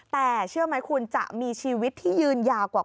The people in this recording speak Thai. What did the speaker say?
แต่เชื่อไหมคุณจะมีชีวิตที่ยืนยาวกว่า